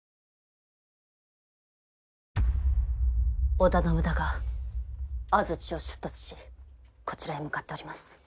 織田信長安土を出立しこちらへ向かっております。